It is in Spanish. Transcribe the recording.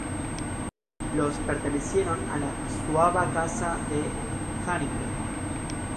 Los pertenecieron a la suaba Casa de Zähringen.